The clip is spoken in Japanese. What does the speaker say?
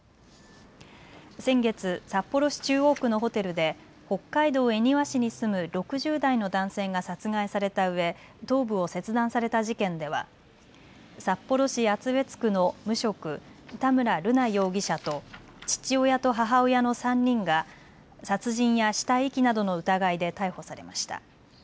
先月、札幌市中央区のホテルで北海道恵庭市に住む６０代の男性が殺害されたうえ頭部を切断された事件では札幌市厚別区の無職、田村瑠奈容疑者と父親と母親の３人が殺人や死体遺棄などの疑いで逮捕されました。